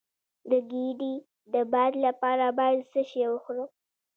د ګیډې د باد لپاره باید څه شی وخورم؟